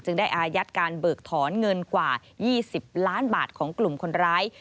ได้อายัดการเบิกถอนเงินกว่า๒๐ล้านบาทของกลุ่มคนร้าย